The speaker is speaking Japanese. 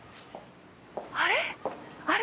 あれ？